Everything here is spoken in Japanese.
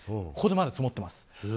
ここでまだ積もってます。